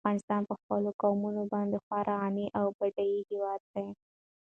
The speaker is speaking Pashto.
افغانستان په خپلو قومونه باندې خورا غني او بډای هېواد دی.